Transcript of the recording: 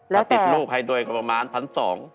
ถ้าติดลูกให้โดยก็ประมาณพันธุ์สอง